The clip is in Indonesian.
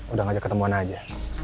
udah ngajak ketemuan aja